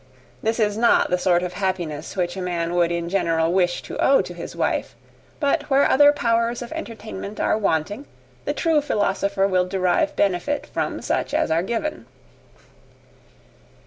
This is not the sort of happiness which a man would in general wish to owe to his wife; but where other powers of entertainment are wanting, the true philosopher will derive benefit from such as are given.